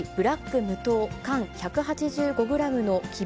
無糖缶１８５ｇの希望